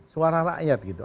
suara rakyat gitu